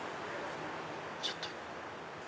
ちょっと。